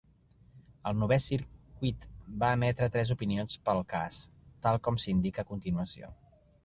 El Novè Circuit va emetre tres opinions per al cas, tal com s'indica a continuació.